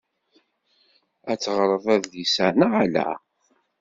Ad teɣṛeḍ adlis-a neɣ ala?